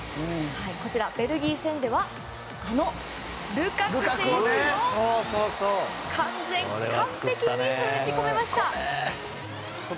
こちらベルギー戦ではルカク選手を完全、完璧に封じ込めました。